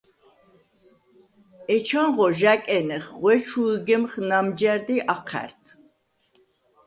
ეჩანღო ჟ’ა̈კენეხ, ღვე ჩუ ჷგემხ ნამჯა̈რდ ი აჴა̈რდ.